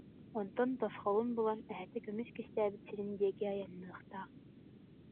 Онтон тосхолун булан эһэтэ көмүс кистээбит сирин диэки айанныахтаах